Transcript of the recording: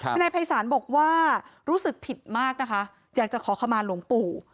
คือนายภัยศาลบอกว่ารู้สึกผิดมากนะคะอยากจะขอขมาหลวงปู่